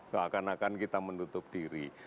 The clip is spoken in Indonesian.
seakan akan kita menutup diri